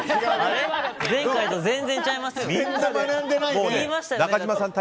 前回と全然ちゃいますよ。